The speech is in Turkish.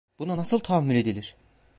Buna nasıl tahammül edilir?